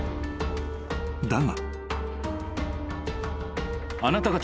［だが］